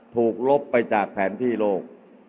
ลบไปจากแผนที่โลก